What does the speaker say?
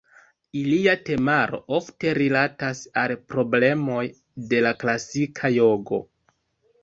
Ilia temaro ofte rilatas al problemoj de la klasika jogo.